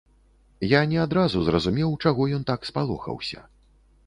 Я не адразу зразумеў, чаго ён так спалохаўся.